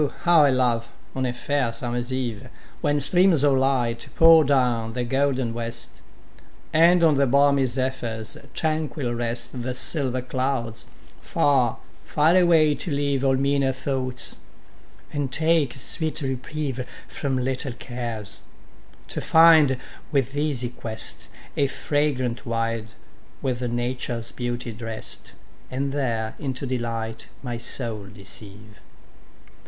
how I love, on a fair summer's eve, When streams of light pour down the golden west, And on the balmy zephyrs tranquil rest The silver clouds, far, far away to leave All meaner thoughts, and take a sweet reprieve From little cares; to find, with easy quest, A fragrant wild, with Nature's beauty drest, And there into delight my soul deceive.